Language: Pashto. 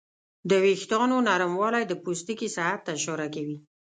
د وېښتیانو نرموالی د پوستکي صحت ته اشاره کوي.